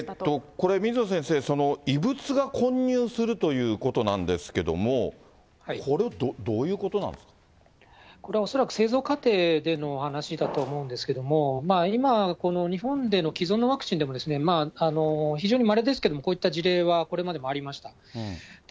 これ、水野先生、異物が混入するということなんですけども、これは恐らく、製造過程での話だと思うんですけども、今、この日本での既存のワクチンでも、非常にまれですけども、こういった事例はこれまでもありました。